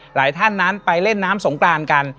หลายท่านนั้นไปเล่นน้ำสงกรานกัน